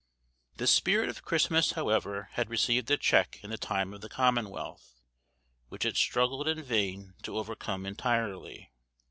] The spirit of Christmas, however, had received a check in the time of the Commonwealth, which it struggled in vain to overcome entirely.